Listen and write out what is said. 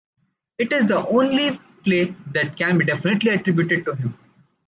It is the only play that can be definitively attributed to him.